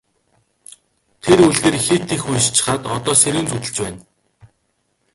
Тэр үлгэр хэт их уншчихаад одоо сэрүүн зүүдэлж байна.